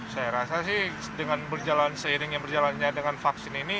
saya rasa sih dengan berjalan seiring yang berjalannya dengan vaksin ini